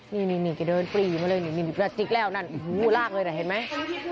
นี่เขาเดินปลีมาเลยจิกแล้วนั่นลากเลยเห็นไหม